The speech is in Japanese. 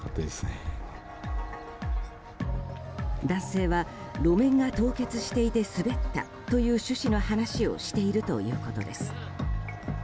男性は路面が凍結していて滑ったという趣旨の話をしているということです。